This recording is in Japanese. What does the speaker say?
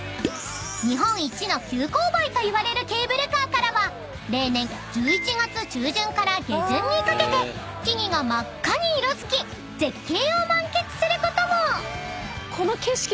［日本一の急勾配といわれるケーブルカーからは例年１１月中旬から下旬にかけて木々が真っ赤に色づき絶景を満喫することも］